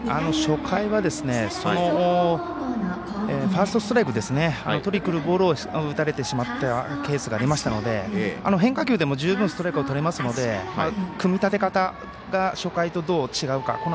初回はファーストストライクを取りに来るボールを打たれてしまったケースがありましたので変化球でも十分ストライクをとれますので組み立て方が初回とどう違うか。